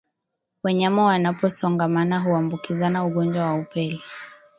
Wanyama wanaposongamana huambukizana ugonjwa wa upele